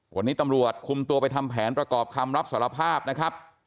วันนี้ตำรวจคุมตัวไปทำแผนประกอบคำรับสารภาพนะครับ